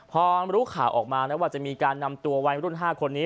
พอรู้ข่าวออกมานะว่าจะมีการนำตัววัยรุ่น๕คนนี้